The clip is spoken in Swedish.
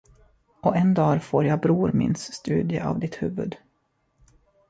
Och en dag får jag bror mins studie av ditt huvud.